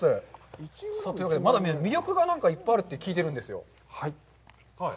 というわけで、魅力がなんかいっぱいあるって聞いてるんですよ。